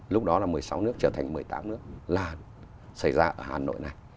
lúc đó là một mươi sáu nước trở thành một mươi tám nước là xảy ra ở hà nội này